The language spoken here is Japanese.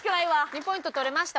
２ポイント取れました。